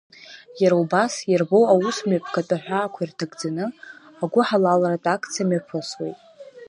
Иара убас иарбоу аусмҩаԥгатә аҳәаақәа ирҭагӡаны, агәыҳалалратә акциа мҩаԥысуеит.